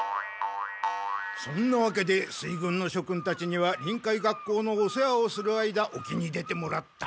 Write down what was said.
そんなわけで水軍のしょくんたちには臨海学校のお世話をする間沖に出てもらった。